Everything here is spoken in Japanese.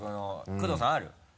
工藤さんある？